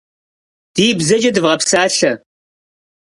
Ди бзэкӏэ дывгъэпсалъэ!